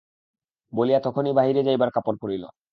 বলিয়া তখনই বাহিরে যাইবার কাপড় পরিল।